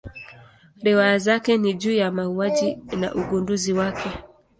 Riwaya zake ni juu ya mauaji na ugunduzi wake.